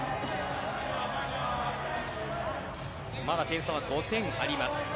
まだ点差は５点あります。